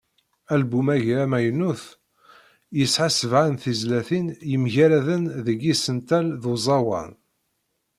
Album-agi amaynut, yesɛa sebεa n tezlatin yemgaraden deg yisental d uẓawan.